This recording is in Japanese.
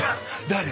誰？